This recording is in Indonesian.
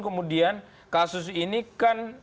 kemudian kasus ini kan